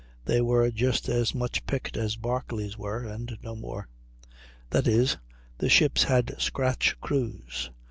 They were just as much picked men as Barclay's were, and no more; that is, the ships had "scratch" crews.